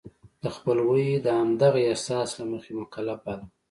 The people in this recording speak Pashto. د خپلوی د همدغه احساس له مخې مکلف باله.